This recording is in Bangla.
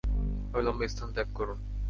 অবিলম্বে স্থান ত্যাগ করুন।